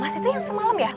mas itu yang semalam ya